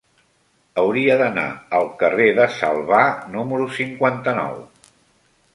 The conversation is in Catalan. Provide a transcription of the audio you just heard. Hauria d'anar al carrer de Salvà número cinquanta-nou.